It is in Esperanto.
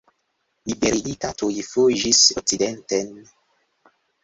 Liberigita, tuj fuĝis okcidenten.